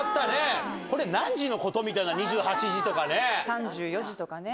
これ何時のこと？みたいな、３４時とかね。